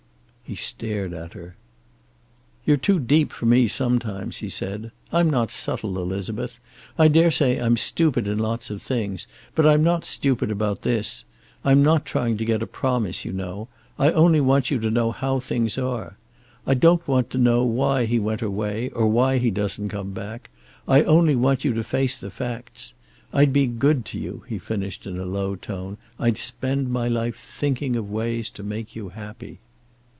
He stared at her. "You're too deep for me sometimes," he said. "I'm not subtle, Elizabeth. I daresay I'm stupid in lots of things. But I'm not stupid about this. I'm not trying to get a promise, you know. I only want you to know how things are. I don't want to know why he went away, or why he doesn't come back. I only want you to face the facts. I'd be good to you," he finished, in a low tone. "I'd spend my life thinking of ways to make you happy."